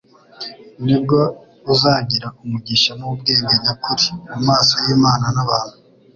Nibwo uzagira umugisha n'ubwenge nyakuri; mu maso y'Imana n'abantu'."